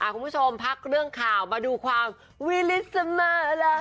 คุณผู้ชมพักเรื่องข่าวมาดูความหวี้นลิ้นสมะละ